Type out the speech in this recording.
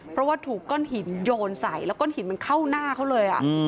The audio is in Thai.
เพราะว่าถูกก้อนหินโยนใส่แล้วก้อนหินมันเข้าหน้าเขาเลย